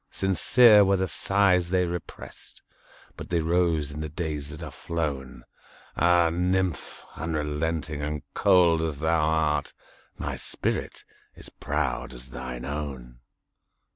Sincere were the sighs they represt, But they rose in the days that are flown! Ah, nymph! unrelenting and cold as thou art, My spirit is proud as thine own!